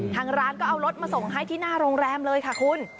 ทางร้านก็เอารถมาส่งให้ที่หน้าโรงแรมเลยค่ะคุณ